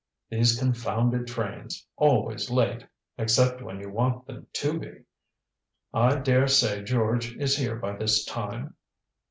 These confounded trains always late. Except when you want them to be. I dare say George is here by this time?"